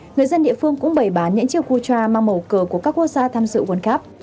người dân địa phương cũng bày bán những chiếc cutra mang màu cờ của các quốc gia tham dự world cup